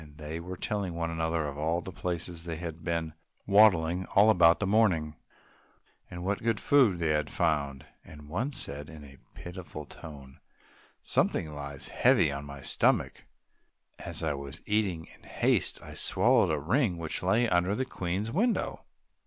They were telling one another of all the places where they had been waddling about all the morning, and what good food they had found, and one said in a pitiful tone, "Something lies heavy on my stomach; as I was eating in haste I swallowed a ring which lay under the Queen's window."